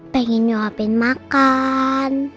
pengen nyuapin makan